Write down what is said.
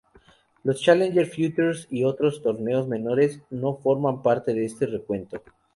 Los challenger, futures y otros torneos menores no forman parte de este recuento.